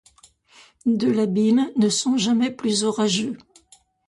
De l'abîme ne sont jamais plus orageux